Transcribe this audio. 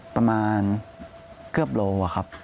ประมาณเกือบโลครับ